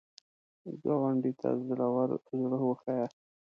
ګاونډي ته زړور زړه وښیه